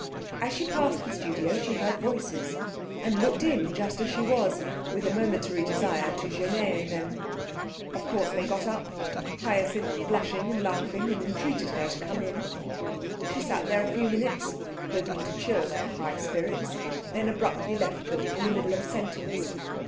As she passed the studio she heard voices, and looked in, just as she was, with a momentary desire to gêner them. Of course they got up, Hyacinth blushing and laughing, and entreated her to come in. She sat there a few minutes, hoping to chill their high spirits, then abruptly left them in the middle of a sentence.